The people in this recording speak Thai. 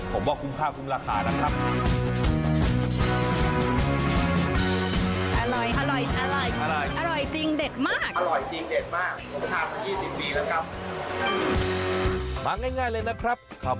ผมว่าคุ้มค่าคุ้มราคานะครับ